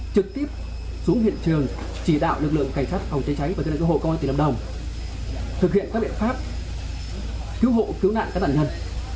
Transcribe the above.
thực hiện các biện pháp cứu hộ cứu nạn các nạn nhân